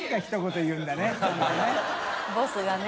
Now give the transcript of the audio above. ボスがね。